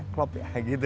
jadi sepintas itu ya